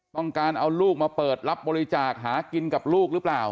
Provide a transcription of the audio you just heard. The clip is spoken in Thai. ต้องการเอาลูกมาเปิดรับบริจาคหากินกับลูกหรือเปล่า